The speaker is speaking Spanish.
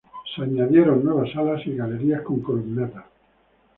Se añadieron nuevas alas y galerías con columnatas.